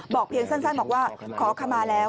เพียงสั้นบอกว่าขอขมาแล้ว